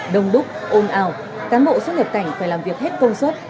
đông đúc ồn ào cán bộ xuất nhập cảnh phải làm việc hết công suất